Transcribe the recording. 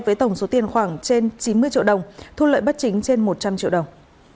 với tổng số tiền khoảng trên chín mươi triệu đồng thu lợi bất chính trên một trăm linh triệu đồng